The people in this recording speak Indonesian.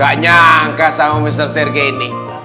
ga nyangka sama mr sergei ini